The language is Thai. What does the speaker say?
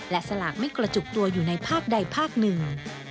และสลากไม่กระจุกตัวอยู่ในภาคใดภาคหนึ่ง